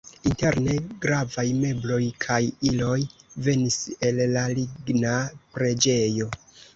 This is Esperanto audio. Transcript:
Interne gravaj mebloj kaj iloj venis el la ligna preĝejo.